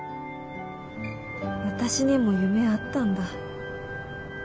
私にも夢あったんだ。